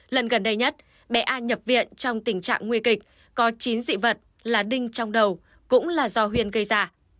lần gần đây nhất bé a nhập viện trong tình trạng nguy kịch có chín dị vật là đinh trong đầu cũng là do huyền gây ra